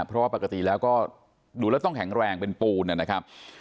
เพราะว่าปกติแล้วก็ดูแล้วต้องแข็งแรงเป็นปูนนะครับ